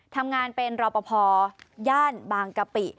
ทำงานเป็นรอปภย่านบางกะปิ